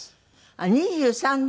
あっ２３で？